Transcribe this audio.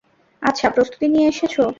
আচ্ছা, প্রস্তুতি নিয়ে এসেছ?